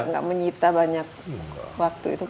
itu gak menyita banyak waktu itu